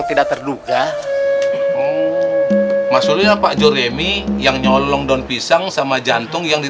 tidak terduga maksudnya pak joremi yang nyolong daun pisang sama jantung yang di